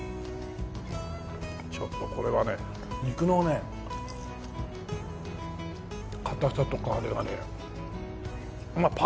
ちょっとこれはね肉のね硬さとかあれがねパーフェクトだね。